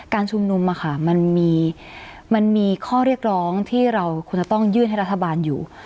การชุมนุมมันมีข้อเรียกร้องที่เราควรจะต้องยื่นให้รัฐบาลอยู่